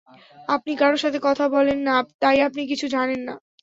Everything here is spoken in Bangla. আপনি কারো সাথে কথা বলেন না, তাই আপনি কিছু জানেন না।